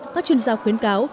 có chuyên gia khuyến cáo